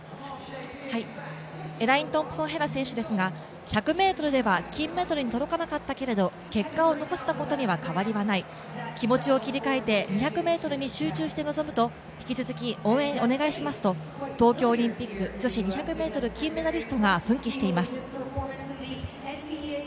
エライン・トンプソン・ヘラ選手ですが１００ｍでは金メダルに届かなかったけれど結果を残せたことには変わりはない、気持ちを切り替えて２００ｍに集中して臨むと引き続き応援お願いしますと東京オリンピック女子２００ｍ金メダリストが奮起しています。